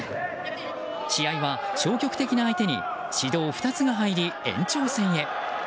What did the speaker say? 試合は消極的な相手に指導２つが入り、延長戦へ。